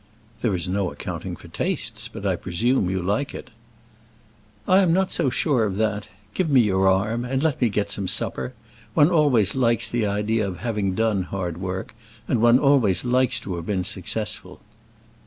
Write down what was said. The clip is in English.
"There is no accounting for tastes, but I presume you like it." "I am not so sure of that. Give me your arm, and let me get some supper. One always likes the idea of having done hard work, and one always likes to have been successful."